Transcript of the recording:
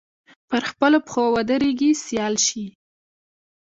پر خپلو پښو ودرېږي سیال شي